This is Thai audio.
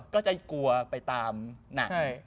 ก็จะกลัวไปตามหนัก